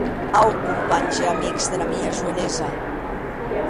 Au, companhs e amics dera mia joenesa.